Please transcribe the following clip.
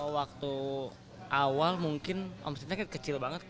waktu awal mungkin omsetnya kecil banget